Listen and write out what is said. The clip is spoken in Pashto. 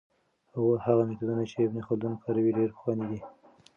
هغه میتود چې ابن خلدون کاروه ډېر پخوانی دی.